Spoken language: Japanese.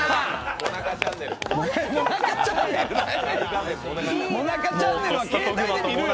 もなかチャンネルは携帯で見るよ。